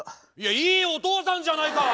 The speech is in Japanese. いいお父さんじゃないか！